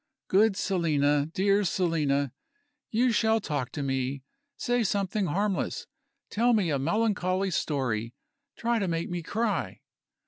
"Good Selina! dear Selina! You shall talk to me. Say something harmless tell me a melancholy story try to make me cry."